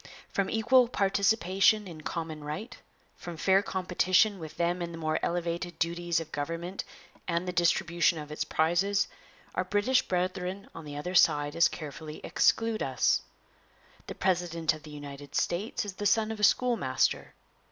From equal participation in common right, from fair competition with them in the more elevated duties of government and the distribution of its prizes, our British brethren on the other side as carefully exclude us. The president of the United States is the son of a schoolmaster.